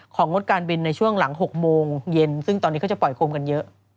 งดการบินในช่วงหลัง๖โมงเย็นซึ่งตอนนี้เขาจะปล่อยโคมกันเยอะ